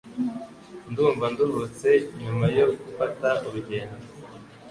Ndumva nduhutse nyuma yo gufata urugendo.